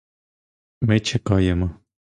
Ми чекаємо.